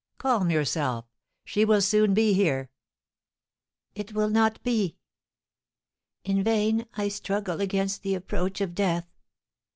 Calm yourself; she will soon be here." "It will not be! In vain I struggle against the approach of Death.